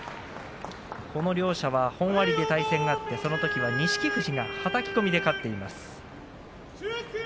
この両者は本割で対戦があってそのときは錦富士がはたき込みで勝っています。